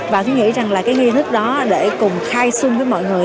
và cái nghi thức đó để cùng khai xuân với mọi người